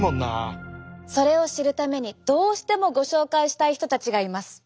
それを知るためにどうしてもご紹介したい人たちがいます。